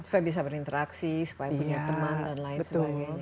supaya bisa berinteraksi supaya punya teman dan lain sebagainya